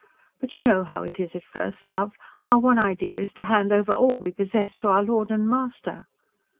But you know how it is at first, love. Our one idea is to hand over all we possess to our lord and master."